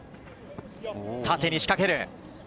縦に仕掛ける。